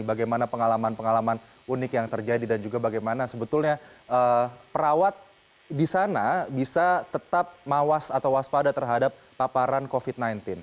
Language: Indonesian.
bagaimana pengalaman pengalaman unik yang terjadi dan juga bagaimana sebetulnya perawat di sana bisa tetap mawas atau waspada terhadap paparan covid sembilan belas